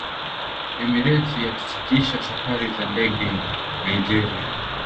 Emirates yasitisha safari za ndege Nigeria